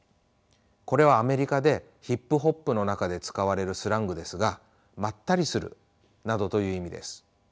これはアメリカでヒップホップの中で使われるスラングですがまったりするなどという意味です。